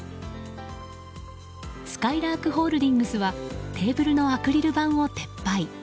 すかいらーくホールディングスはテーブルのアクリル板を撤廃。